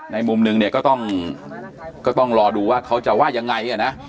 ในมุมนึงเนี่ยก็ต้องรอดูว่าเขาจะว่ายังไงนะ